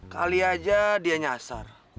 kali aja dia nyasar